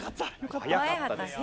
早かったですね。